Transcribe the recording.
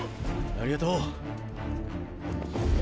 ありがとう。